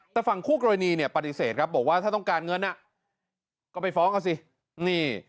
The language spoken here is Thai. แต่ฝั่งคู่กรณีเนี่ยปฏิเสธครับบอกว่าถ้าต้องการเงินอ่ะก็ไปฟ้องเอาสินี่